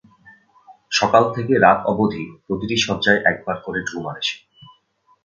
সকাল থেকে রাত অবধি প্রতিটি শয্যায় একবার করে ঢুঁ মারে সে।